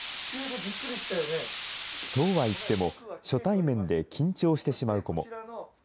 そうはいっても、初対面で緊張してしまう子も。